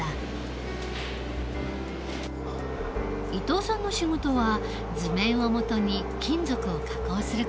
伊藤さんの仕事は図面を基に金属を加工する事。